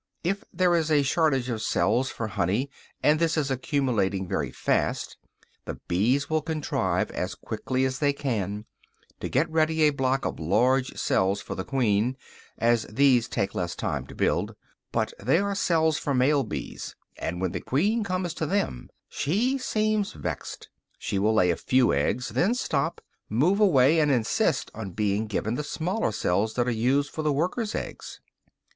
If there is a shortage of cells for honey, and this is accumulating very fast, the bees will contrive, as quickly as they can, to get ready a block of large cells for the queen, as these take less time to build. But they are cells for male bees; and when the queen comes to them, she seems vexed; she will lay a few eggs, then stop, move away, and insist on being given the smaller cells that are used for the workers' eggs.